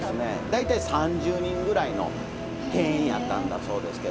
大体３０人ぐらいの定員やったんだそうですけど。